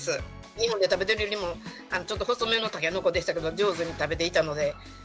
日本で食べてるよりも、ちょっと細めのタケノコでしたけれども、上手に食べていたので。